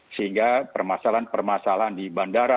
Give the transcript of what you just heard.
sehingga permasalahan permasalahan di bandara